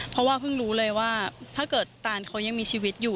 ก็จะรู้เลยว่าถ้าเกิดตานเขายังมีชีวิตอยู่